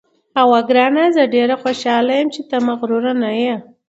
اوه ګرانه، زه ډېره خوشاله یم چې ته مغرور نه یې.